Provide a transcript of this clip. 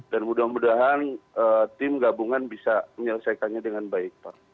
dan mudah mudahan tim gabungan bisa menyelesaikannya dengan baik pak